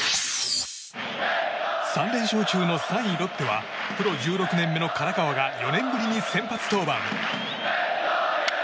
３連勝中の３位、ロッテはプロ１６年目の唐川が４年ぶりに先発登板。